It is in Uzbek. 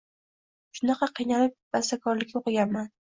Shunaqa qiynalib bastakorlikka o’qiganman.